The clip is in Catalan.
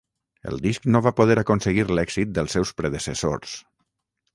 El disc no va poder aconseguir l'èxit dels seus predecessors.